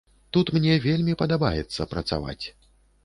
Тут мне вельмі падабаецца працаваць.